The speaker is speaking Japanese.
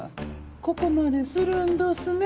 ここまでするんどすね。